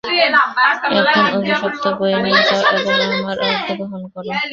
এখন অভিশাপ বয়ে নিয়ে যাও এবং আমার আজ্ঞা বহন করো।